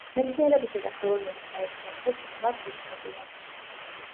მეცნიერებისა და ხელოვნების გაერთიანებას ღრმა ფესვები აქვს.